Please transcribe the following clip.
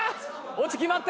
オチ決まった！